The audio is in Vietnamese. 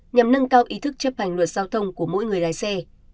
nhằm nâng cao ý thức chấp hành luật giao thông của mỗi người lái xe